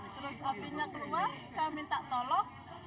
terus apinya keluar saya minta tolong